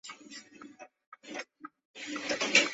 阿尔巴诺镇区为美国堪萨斯州斯塔福德县辖下的镇区。